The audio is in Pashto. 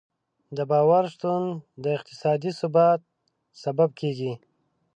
د باور شتون د اقتصادي ثبات سبب کېږي.